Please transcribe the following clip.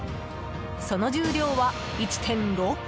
その重量は１．６ｋｇ！